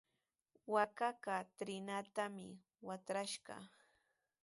Waakaqa trinatami watrashqa.